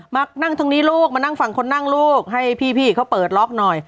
มานั่งตรงนี้ลูกมานั่งฝั่งคนนั่งลูกให้พี่เขาเปิดล็อกหน่อย